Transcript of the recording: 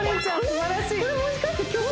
すばらしいあれ？